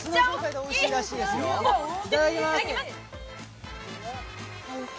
いただきます。